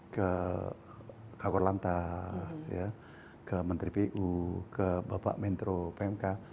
ke kakor lantas ke menteri pu ke bapak mentro pmk